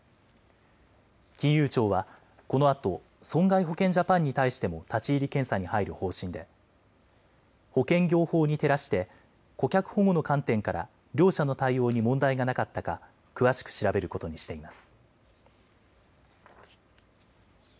金融庁はこのあと損害保険ジャパンに対しても立ち入り検査に入る方針で保険業法に照らして顧客保護の観点から両社の対応に問題がなかったか詳しく調べることにしています。